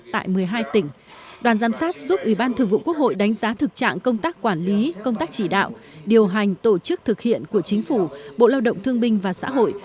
tại một mươi hai tỉnh đoàn giám sát giúp ủy ban thường vụ quốc hội đánh giá thực trạng công tác quản lý công tác chỉ đạo điều hành tổ chức thực hiện của chính phủ bộ lao động thương binh và xã hội